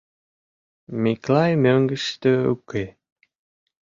Миклай мӧҥгыштӧ уке...